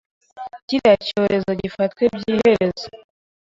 Kiriya cyorezo gifatwe by’iherezo